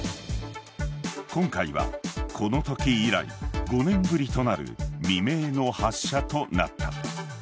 今回はこのとき以来５年ぶりとなる未明の発射となった。